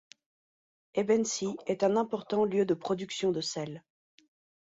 Ebensee est un important lieu de production de sel.